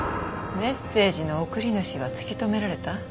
メッセージの送り主は突き止められた？